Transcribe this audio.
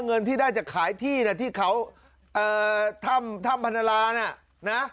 เงินที่ได้จากขายที่นะที่เขาถ้ำพนราน่ะนะ